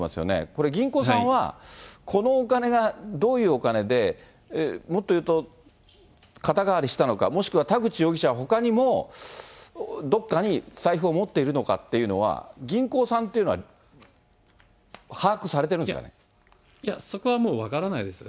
これ、銀行さんはこのお金がどういうお金で、もっと言うと、肩代わりしたのか、もしくは田口容疑者はほかにもどこかに財布を持っているのかというのは、銀行さんっていうのは、いや、そこはもう分からないです。